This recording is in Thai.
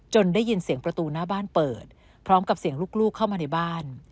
ได้ยินเสียงประตูหน้าบ้านเปิดพร้อมกับเสียงลูกเข้ามาในบ้าน